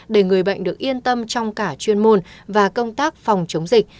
để người bệnh được yên tâm trong cả chuyên môn và công tác phòng chống dịch